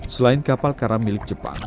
selain kapal karam milik jepang